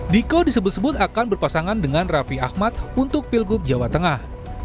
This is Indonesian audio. diko disebut sebut akan berpasangan dengan raffi ahmad untuk pilgub jawa tengah